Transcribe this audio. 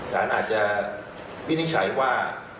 สารอาจจะวินิจฉัยว่า